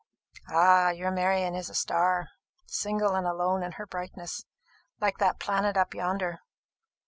"Ah, your Marian is a star, single and alone in her brightness, like that planet up yonder!